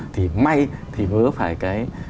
thì may thì mới có phải cái